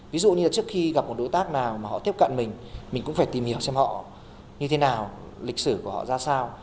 ví dụ như là trước khi gặp một đối tác nào mà họ tiếp cận mình mình cũng phải tìm hiểu xem họ như thế nào lịch sử của họ ra sao